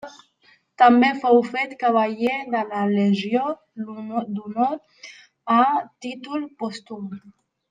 També fou fet cavaller de la Legió d'Honor a títol pòstum.